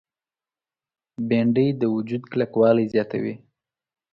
بېنډۍ د وجود کلکوالی زیاتوي